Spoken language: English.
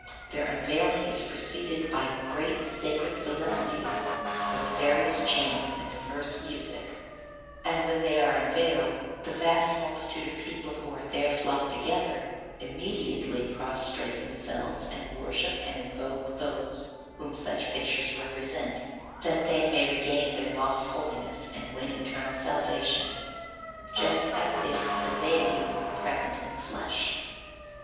their unveiling is preceded by great sacred solemnities with various chants and diverse music, and when they are unveiled, the vast multitude of people who are there flocked together, immediately prostrate themselves and worship and invoke those whom such pictures represent that they may regain their lost holiness and win eternal salvation, just as if the deity were present in the flesh.